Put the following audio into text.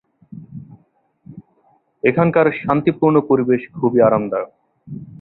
এখানকার শান্তিপূর্ণ পরিবেশ খুবই আরামদায়ক।